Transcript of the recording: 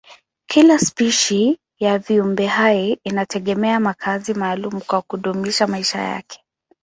Kila spishi ya viumbehai inategemea makazi maalumu kwa kudumisha maisha yake.